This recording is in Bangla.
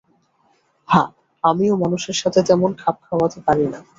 হ্যাঁ, আমিও মানুষের সাথে তেমন খাপ খাওয়াতে পারি না।